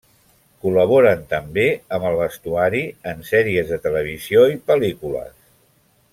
Col·laboren també amb el vestuari en sèries de televisió i pel·lícules.